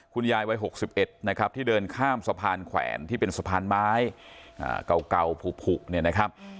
คุณยายวัย๖๑ที่เดินข้ามสะพานแขวนที่เป็นสะพานไม้เก่าผุบ